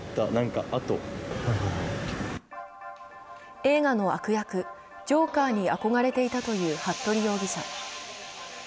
映画の悪役、ジョーカーに憧れていたという服部容疑者。